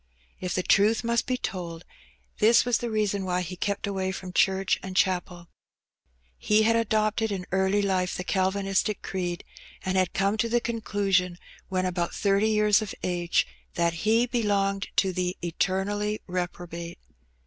If the truth must be told, this was the reason why he kept away from church and chapel. He had adopted in eai4y In which Job Weag has a Vision. 79 life tlie Calvinistic creed, and had come to the conclusion, wlien abont thirty yeare of &ge, that he belonged to the "eternally reprobate."